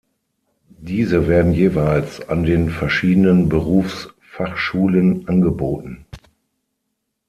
Diese werden jeweils an den verschiedenen Berufsfachschulen angeboten.